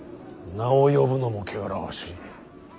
名を呼ぶのも汚らわしい。